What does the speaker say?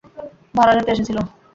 ভাড়া নিতে এসেছিল।